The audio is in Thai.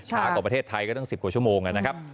กว่าประเทศไทยก็ตั้ง๑๐กว่าชั่วโมงนะครับ